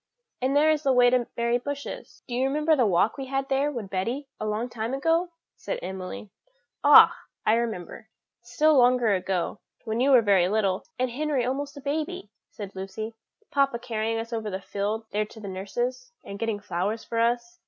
And there is the way to Mary Bush's." "Do you remember the walk we had there with Betty a long time ago?" said Emily. "Ah! I can remember, still longer ago, when you were very little, and Henry almost a baby," said Lucy, "papa carrying us over the field there to nurse's, and getting flowers for us."